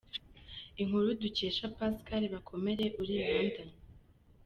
Inkuru dukesha Pascal Bakomere uri i London.